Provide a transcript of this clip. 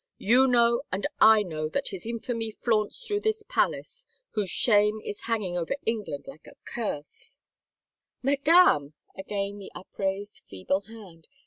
You know and I know that his infamy flaunts through this palace, whose shame is hang ing over England like a curse —"*' Madame 1 " Again the upraised, feeble hand.